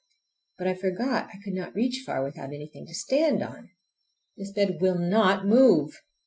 But I forgot I could not reach far without anything to stand on! This bed will not move!